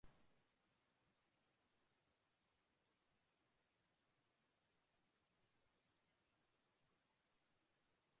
It is almost insoluble in water.